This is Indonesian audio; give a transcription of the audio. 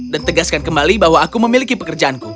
dan tegaskan kembali bahwa aku memiliki pekerjaanku